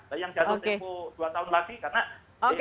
tapi yang jatuh tempo dua tahun lagi karena